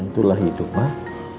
itulah hidup pak